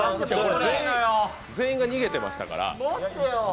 全員が逃げてましたから。